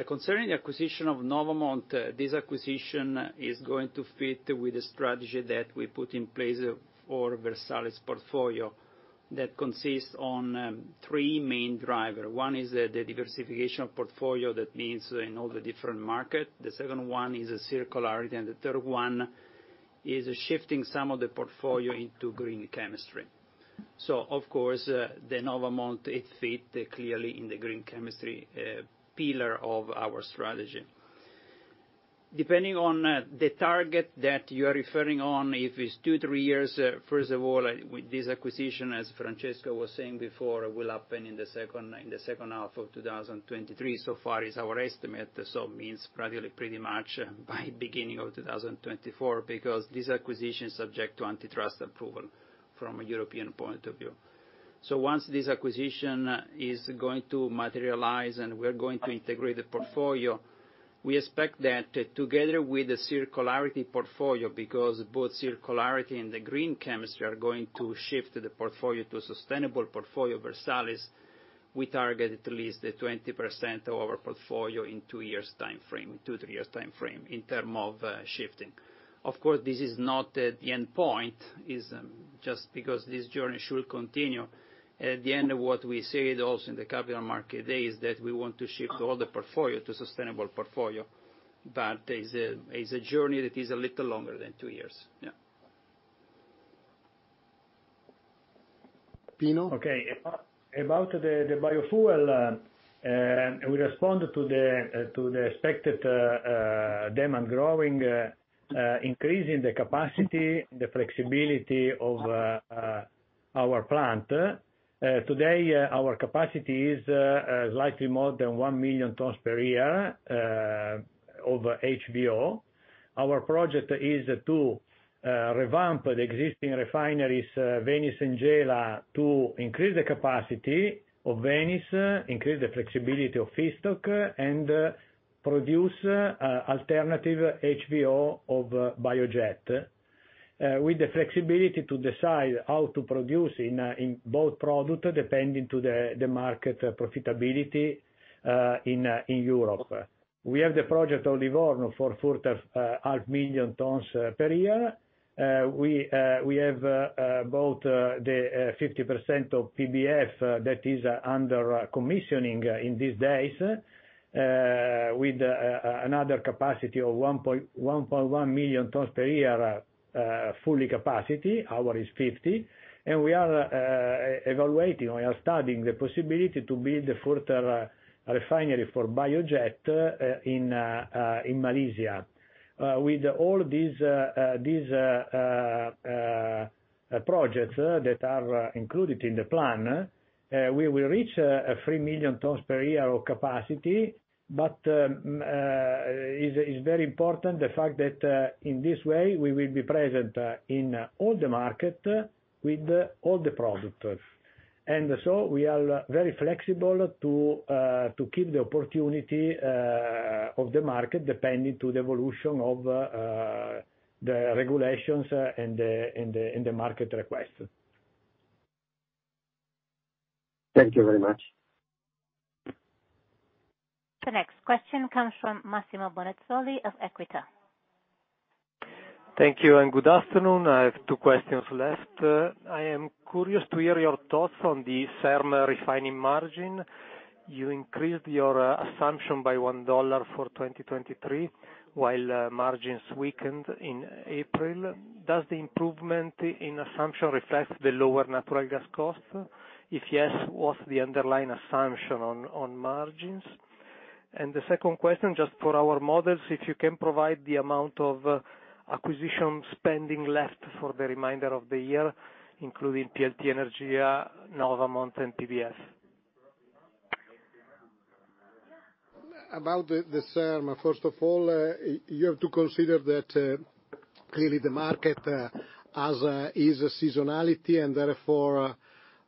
Concerning the acquisition of Novamont, this acquisition is going to fit with the strategy that we put in place for Versalis portfolio that consists on, three main driver. One is, the diversification of portfolio, that means in all the different market. The second one is circularity, and the third one is shifting some of the portfolio into green chemistry. Of course, the Novamont, it fit clearly in the green chemistry, pillar of our strategy. Depending on, the target that you are referring on, if it's two-three years, first of all, with this acquisition, as Francesco was saying before, will happen in the second half of 2023. Far is our estimate, so means probably pretty much by beginning of 2024, because this acquisition is subject to antitrust approval from a European point of view. Once this acquisition is going to materialize, and we're going to integrate the portfolio, we expect that together with the circularity portfolio, because both circularity and the green chemistry are going to shift the portfolio to a sustainable portfolio Versalis, we target at least 20% of our portfolio in two years timeframe, two-three years timeframe in term of shifting. Of course, this is not the end point, is just because this journey should continue. At the end of what we said also in the capital market day is that we want to shift all the portfolio to sustainable portfolio, but is a journey that is a little longer than two years. Yeah. Pino? About the biofuel, we respond to the, to the expected, demand growing, increasing the capacity, the flexibility of, our plant. Today, our capacity is, slightly more than 1 million tons per year, of HVO. Our project is to, revamp the existing refineries, Venice and Gela, to increase the capacity of Venice, increase the flexibility of feedstock, and, produce, alternative HVO of biojet. With the flexibility to decide how to produce in both product, depending to the market profitability, in Europe. We have the project of Livorno for further, half million tons per year. We have both the 50% of PBF that is under commissioning in these days, with another capacity of 1.1 million tons per year, fully capacity. Our is 50%. We are evaluating, we are studying the possibility to build a further refinery for biojet in Malaysia. With all these projects that are included in the plan, we will reach a 3 million tons per year of capacity. Is very important the fact that in this way we will be present in all the market with all the products. We are very flexible to keep the opportunity of the market depending to the evolution of the regulations and the market request. Thank you very much. The next question comes from Massimo Bonisoli of Equita. Thank you. Good afternoon. I have two questions left. I am curious to hear your thoughts on the SERM refining margin. You increased your assumption by $1 for 2023, while margins weakened in April. Does the improvement in assumption reflect the lower natural gas cost? If yes, what's the underlying assumption on margins? The second question, just for our models, if you can provide the amount of acquisition spending left for the remainder of the year, including PLT Energia, Novamont and PBF. About the SERM, first of all, you have to consider that clearly the market has a seasonality, and therefore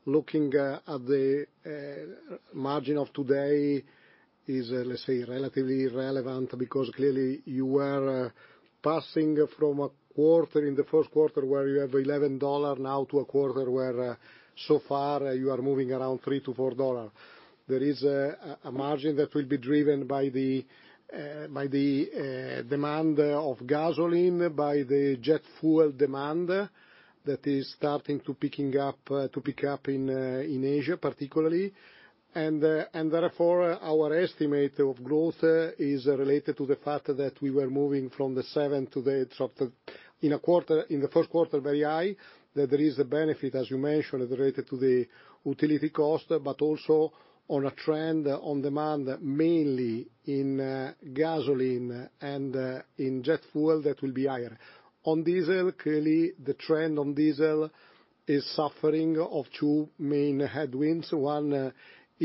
looking at the margin of today is, let's say, relatively irrelevant because clearly you are passing from a quarter in the first quarter where you have $11, now to a quarter where so far you are moving around $3-$4. There is a margin that will be driven by the demand of gasoline, by the jet fuel demand that is starting to picking up, to pick up in Asia particularly. Therefore, our estimate of growth is related to the fact that we were moving from the $7 to the in a quarter, in the first quarter, very high. That there is a benefit, as you mentioned, related to the utility cost, but also on a trend on demand, mainly in gasoline and in jet fuel that will be higher. On diesel, clearly the trend on diesel is suffering of two main headwinds. One is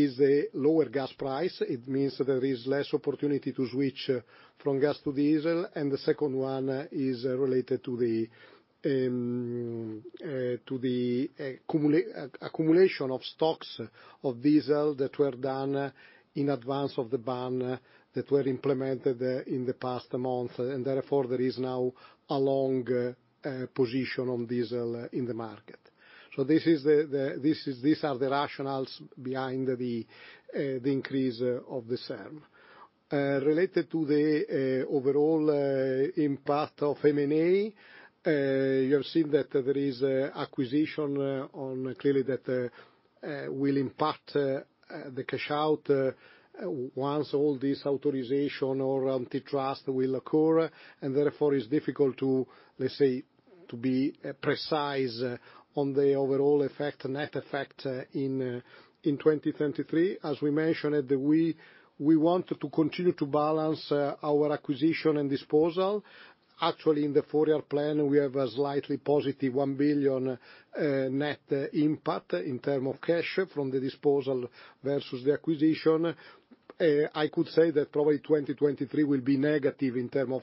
a lower gas price. It means there is less opportunity to switch from gas to diesel. The second one is related to the accumulation of stocks of diesel that were done in advance of the ban that were implemented in the past month. There is now a long position on diesel in the market. This is, these are the rationales behind the increase of the SERM. Related to the overall impact of M&A, you have seen that there is acquisition on clearly that will impact the cash out once all this authorization or antitrust will occur. Therefore it's difficult to, let's say, to be precise on the overall effect, net effect in 2023. As we mentioned, we want to continue to balance our acquisition and disposal. Actually, in the four-year plan, we have a slightly positive 1 billion net impact in term of cash from the disposal versus the acquisition. I could say that probably 2023 will be negative in term of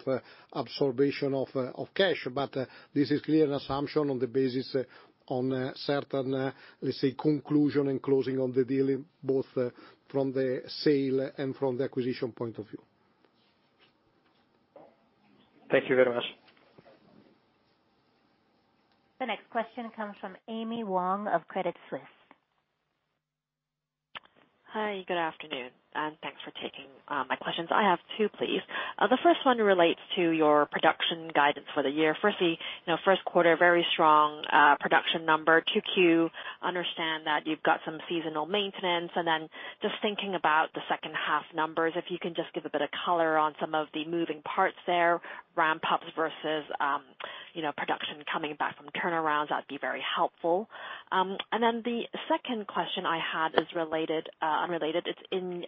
absorption of cash. This is clear assumption on the basis on certain, let's say, conclusion and closing on the deal in both from the sale and from the acquisition point of view. Thank you very much. The next question comes from Amy Wong of Credit Suisse. Hi. Good afternoon, thanks for taking my questions. I have two, please. The first one relates to your production guidance for the year. Firstly, you know, first quarter, very strong production number. 2Q, understand that you've got some seasonal maintenance. Just thinking about the second half numbers, if you can just give a bit of color on some of the moving parts there, ramp-ups versus, you know, production coming back from turnarounds, that'd be very helpful. The second question I had is related, unrelated. It's in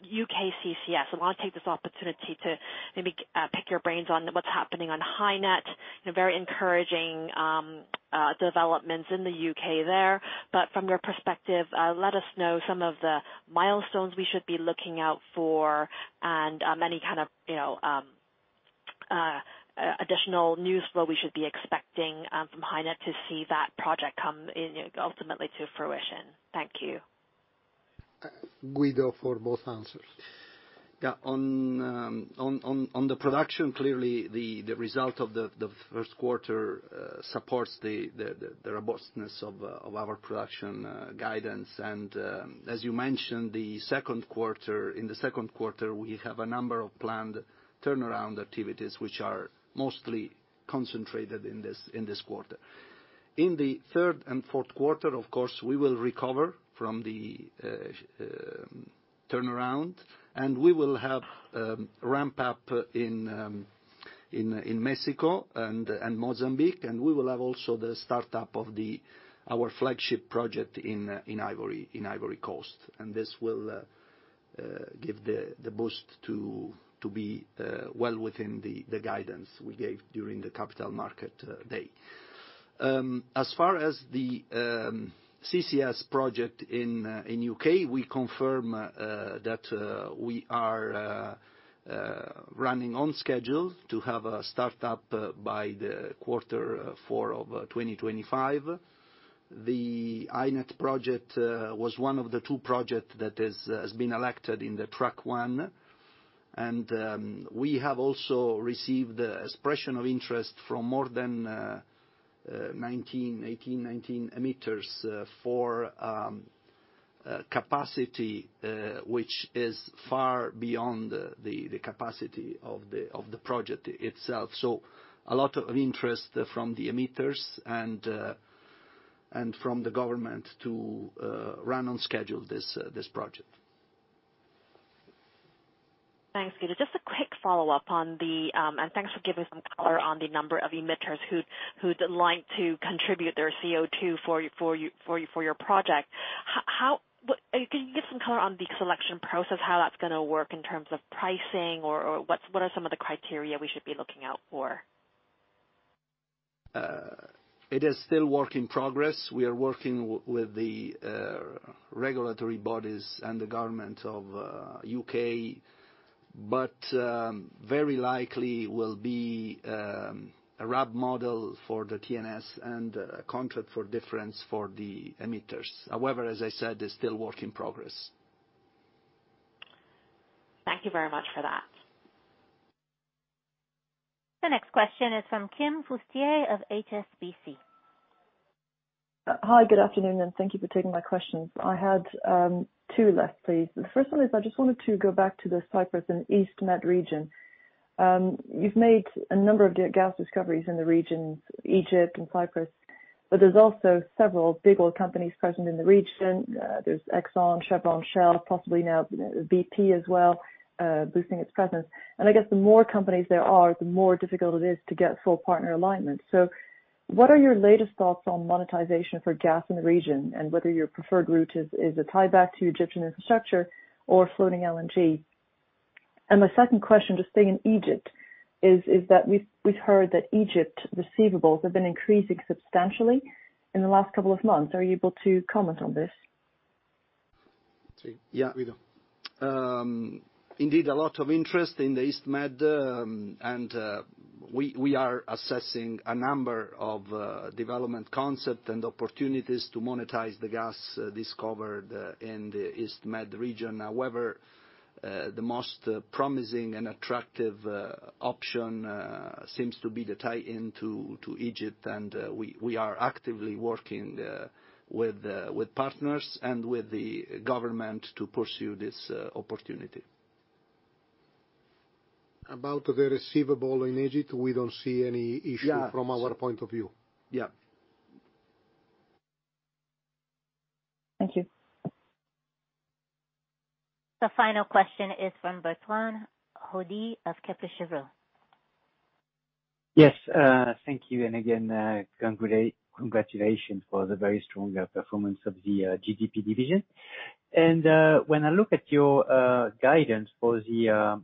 U.K. CCS. I want to take this opportunity to maybe pick your brains on what's happening on HyNet and very encouraging developments in the U.K. there. From your perspective, let us know some of the milestones we should be looking out for and, any kind of, you know, additional news flow we should be expecting, from HyNet to see that project come in, ultimately to fruition. Thank you. Guido, for both answers. Yeah. On the production, clearly the result of the first quarter supports the robustness of our production guidance. As you mentioned, in the second quarter, we have a number of planned turnaround activities which are mostly concentrated in this quarter. In the third and fourth quarter, of course, we will recover from the turnaround, and we will have ramp up in Mexico and Mozambique. We will have also the startup of the our flagship project in Ivory Coast. This will give the boost to be well within the guidance we gave during the Capital Market Day. As far as the CCS project in the U.K., we confirm that we are running on schedule to have a start up by quarter 4 of 2025. The HyNet project was one of the two project that has been elected in the Track-1. We have also received expression of interest from more than 19 emitters for capacity, which is far beyond the capacity of the project itself. A lot of interest from the emitters and from the government to run on schedule this project. Thanks, Guido. Just a quick follow-up on the, and thanks for giving some color on the number of emitters who'd like to contribute their CO2 for you, for your project. Can you give some color on the selection process, how that's gonna work in terms of pricing or what's, what are some of the criteria we should be looking out for? It is still work in progress. We are working with the regulatory bodies and the government of U.K., but very likely will be a RAB model for the T&S and a contract for difference for the emitters. As I said, it's still work in progress. Thank you very much for that. The next question is from Kim Fustier of HSBC. Hi. Good afternoon, and thank you for taking my questions. I had two left, please. The first one is I just wanted to go back to the Cyprus and East Med region. You've made a number of gas discoveries in the region, Egypt and Cyprus, but there's also several big oil companies present in the region. There's ExxonMobil, Chevron, Shell, possibly now BP as well, boosting its presence. I guess the more companies there are, the more difficult it is to get full partner alignment. What are your latest thoughts on monetization for gas in the region and whether your preferred route is a tieback to Egyptian infrastructure or floating LNG? My second question, just staying in Egypt, is that we've heard that Egypt receivables have been increasing substantially in the last couple of months. Are you able to comment on this? Yeah. Guido. indeed, a lot of interest in the East Med, and, we are assessing a number of, development concept and opportunities to monetize the gas, discovered in the East Med region. However, the most promising and attractive, option, seems to be the tie into Egypt. We are actively working with partners and with the government to pursue this opportunity. About the receivable in Egypt, we don't see any issue. Yeah. From our point of view. Yeah. Thank you. The final question is from Bertrand Hodée of Kepler Cheuvreux. Yes. Thank you. Again, congratulations for the very strong performance of the GGP division. When I look at your guidance for the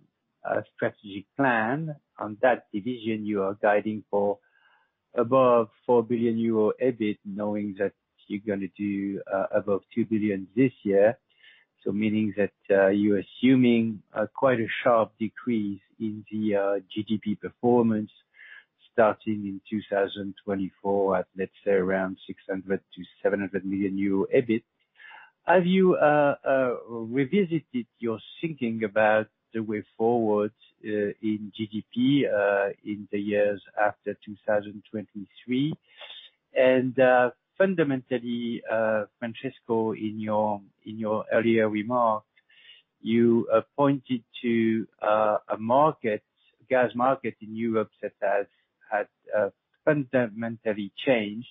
strategic plan on that division, you are guiding for above 4 billion euro EBIT, knowing that you're going to do above 2 billion this year. Meaning that you're assuming quite a sharp decrease in the GGP performance starting in 2024 at, let's say, around 600 million euro-EUR700 million EBIT. Have you revisited your thinking about the way forward in GGP in the years after 2023? Fundamentally, Francesco, in your earlier remark, you pointed to a market, gas market in Europe that has fundamentally changed,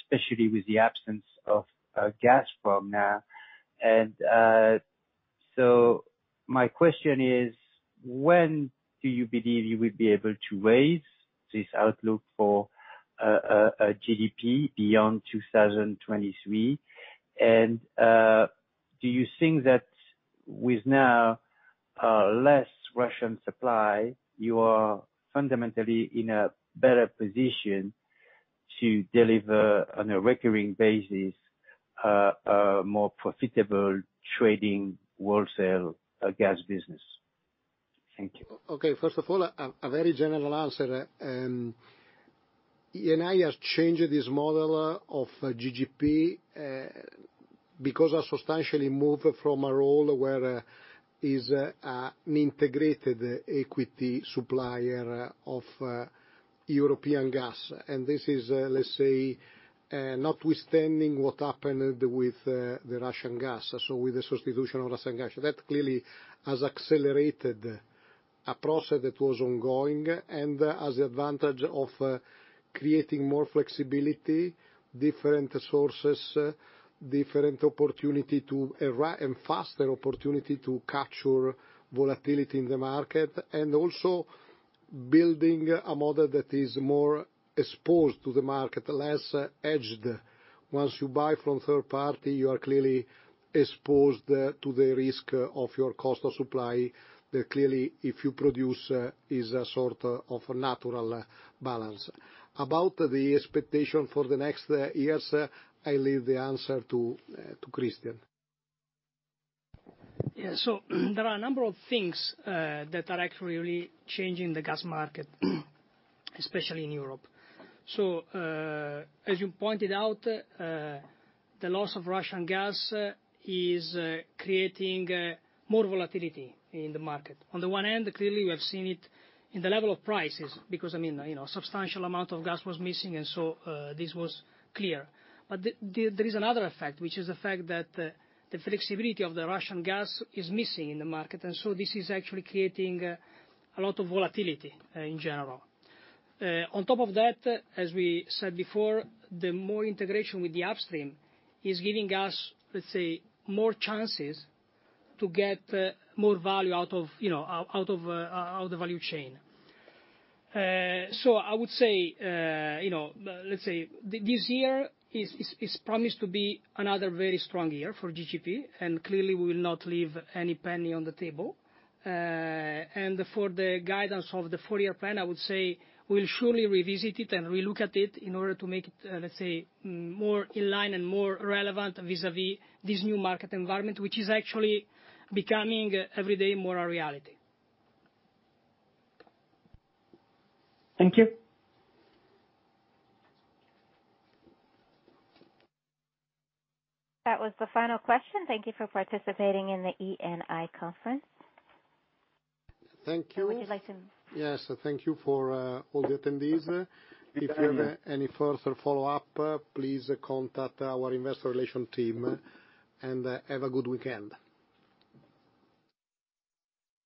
especially with the absence of gas from there. My question is when do you believe you will be able to raise this outlook for GGP beyond 2023? Do you think that with now less Russian supply, you are fundamentally in a better position to deliver on a recurring basis more profitable trading wholesale gas business? Thank you. First of all, a very general answer. Eni has changed this model of GGP because as substantially moved from a role where is an integrated equity supplier of European gas. This is, let's say, notwithstanding what happened with the Russian gas. With the substitution of Russian gas. That clearly has accelerated a process that was ongoing and has the advantage of creating more flexibility, different sources, different opportunity and faster opportunity to capture volatility in the market. Also building a model that is more exposed to the market, less hedged. Once you buy from third party, you are clearly exposed to the risk of your cost of supply, that clearly if you produce is a sort of natural balance. About the expectation for the next years, I leave the answer to Christian. Yeah. There are a number of things that are actually changing the gas market, especially in Europe. As you pointed out, the loss of Russian gas is creating more volatility in the market. On the one end, clearly, we have seen it in the level of prices, because, I mean, you know, substantial amount of gas was missing, this was clear. There is another effect, which is the fact that the flexibility of the Russian gas is missing in the market. This is actually creating a lot of volatility in general. On top of that, as we said before, the more integration with the upstream is giving us, let's say, more chances to get more value out of, you know, out of the value chain. I would say, you know, let's say this year is promised to be another very strong year for GGP, and clearly we will not leave any penny on the table. For the guidance of the four-year plan, I would say we'll surely revisit it and relook at it in order to make it, let's say, more in line and more relevant vis-a-vis this new market environment, which is actually becoming every day more a reality. Thank you. That was the final question. Thank you for participating in the Eni conference. Thank you. Would you like to? Yes. Thank you for all the attendees. If you have any further follow-up, please contact our investor relations team, and have a good weekend.